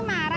oh ini dia